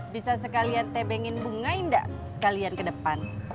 bisa sekalian tebengin bunga indah sekalian ke depan